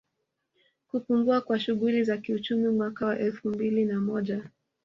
Kupungua kwa shughuli za kiuchumi Mwaka wa elfumbili na moja